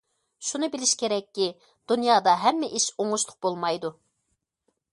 شۇنى بىلىش كېرەككى دۇنيادا ھەممە ئىش ئوڭۇشلۇق بولمايدۇ.